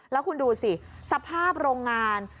แล้วคุณดูสิสภาพโรงงาน